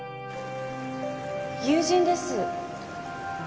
友人です。